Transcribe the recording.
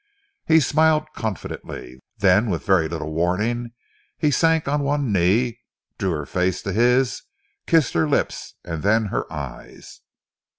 He smiled confidently. Then, with very little warning, he sank on one knee, drew her face to his, kissed her lips and then her eyes.